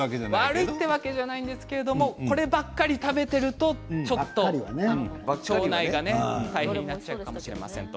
悪いというわけではないですがこればっかり食べてると腸内が大変になっちゃうかもしれません。